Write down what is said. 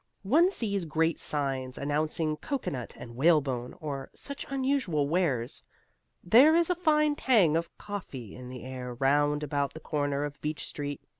One sees great signs announcing cocoanut and whalebone or such unusual wares; there is a fine tang of coffee in the air round about the corner of Beach Street.